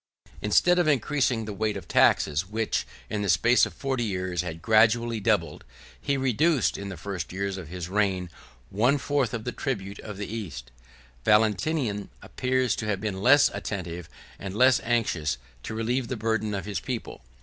Instead of increasing the weight of taxes, which, in the space of forty years, had been gradually doubled, he reduced, in the first years of his reign, one fourth of the tribute of the East. 63 Valentinian appears to have been less attentive and less anxious to relieve the burdens of his people.